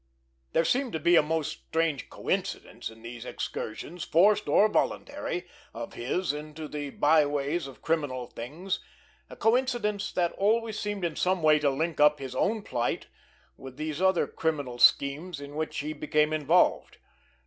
There seemed to be a most strange coincidence in these excursions, forced or voluntary, of his into the byways of criminal things, a coincidence that always seemed in some way to link up his own plight with these other criminal schemes in which he became involved.